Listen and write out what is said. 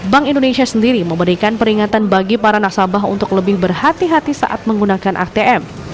bank indonesia sendiri memberikan peringatan bagi para nasabah untuk lebih berhati hati saat menggunakan atm